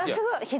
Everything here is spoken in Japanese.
はい。